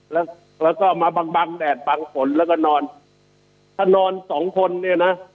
แล้วก็มาบังบังแดดบังฝนแล้วก็นอนถ้านอนสองคนเนี่ยนะ